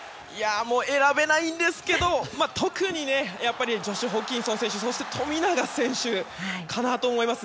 選べないんですけど特にやっぱりジョシュ・ホーキンソン選手そして富永選手かなと思います。